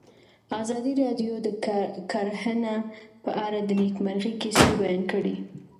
ازادي راډیو د کرهنه په اړه د نېکمرغۍ کیسې بیان کړې.